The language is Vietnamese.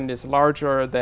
đặc biệt là